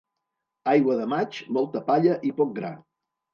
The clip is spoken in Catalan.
Aigua de maig, molta palla i poc gra.